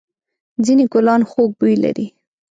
ځېنې گلان خوږ بوی لري.